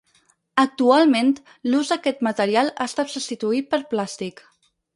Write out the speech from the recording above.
Actualment, l'ús d'aquest material ha estat substituït pel plàstic.